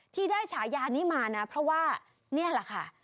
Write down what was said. ที่ได้ฉายานี้มานะเพราะว่านี่แหละค่ะ